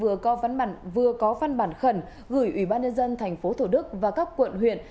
ủy ban nhân dân tp hcm vừa có phân bản khẩn gửi ủy ban nhân dân tp thd và các quận huyện